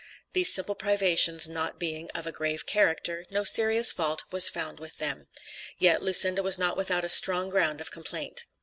These simple privations not being of a grave character, no serious fault was found with them; yet Lucinda was not without a strong ground of complaint.